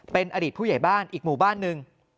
เป็นอดีตผู้ใหญ่บ้านอีกหมู่บ้านหนึ่ง